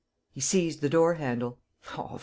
." He seized the door handle. "Oh, of course!